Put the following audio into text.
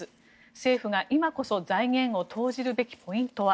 政府が今こそ財源を投じるべきポイントは。